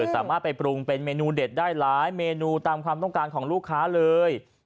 สามารถไปปรุงเป็นเมนูเด็ดได้หลายเมนูตามความต้องการของลูกค้าเลย